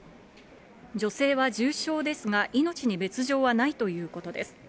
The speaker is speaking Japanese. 女性は重傷ですが、命に別状はないということです。